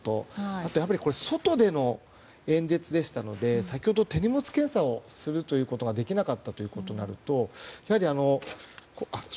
あと、外での演説でしたので先ほどの手荷物検査をすることができなかったとなると。